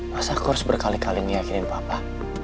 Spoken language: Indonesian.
masa aku harus berkali kali meyakini papa